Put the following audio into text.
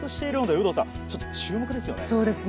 有働さん、注目ですよね。